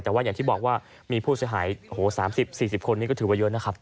แต่ว่าอย่างที่บอกว่ามีผู้เสียหาย๓๐๔๐คนนี้ก็ถือว่าเยอะนะครับ